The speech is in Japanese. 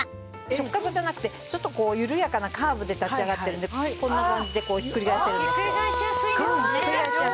直角じゃなくてちょっと緩やかなカーブで立ち上がってるんでこんな感じでひっくり返せるんですよ。